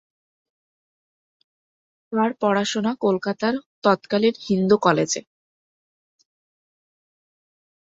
তার পড়াশোনা কলকাতার তৎকালীন হিন্দু কলেজে।